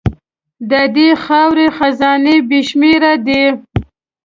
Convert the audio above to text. د دې خاورې خزانې بې شمېره دي.